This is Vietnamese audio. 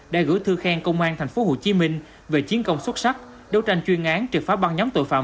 đã gửi thư khen công an tp hcm về chiến công xuất sắc đấu tranh chuyên án triệt phá băng nhóm tội phạm